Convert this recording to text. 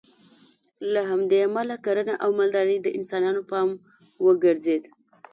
له همدې امله کرنه او مالداري د انسانانو پام وګرځېد